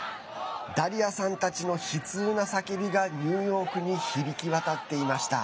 ダリアさんたちの悲痛な叫びがニューヨークに響き渡っていました。